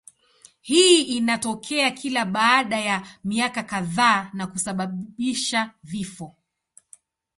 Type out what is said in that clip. Hii inatokea kila baada ya miaka kadhaa na kusababisha vifo.